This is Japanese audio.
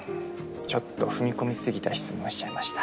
ちょっと踏み込みすぎた質問しちゃいました。